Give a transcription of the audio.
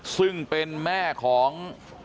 ซึ่งเป็นแม่ของ